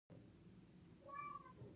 زه به تاسو سره ګورم